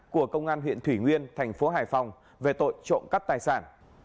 của công an huyện thủy nguyên thành phố hải phòng về tội trộm cắt tài sản